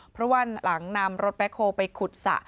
เพราะว่าหลังนำรถแบ็คโฮลไปขุดสระ